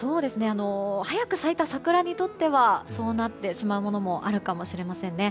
早く咲いた桜にとってはそうなってしまうものもあるかもしれませんね。